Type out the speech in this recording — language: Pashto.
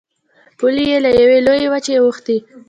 پولې یې له یوې لویې وچې اوښتې.